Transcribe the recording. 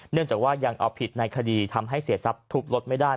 เนื่องจากว่ายังเอาผิดในคดีทำให้เสียทรัพย์ทุบรถไม่ได้